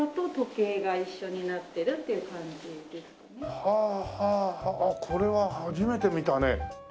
はあはあはあこれは初めて見たね。